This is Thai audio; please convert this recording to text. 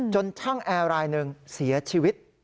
ช่างแอร์รายหนึ่งเสียชีวิต